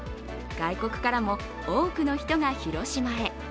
外国からも多くの人が広島へ。